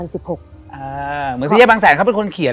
เหมือนคุณยายบางแสนเขาเป็นคนเขียน